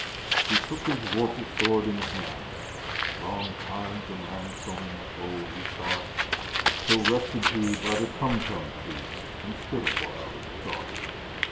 He took his vorpal sword in hand: Long time the manxome foe he sought So rested he by the Tumtum tree, And stood awhile in thought.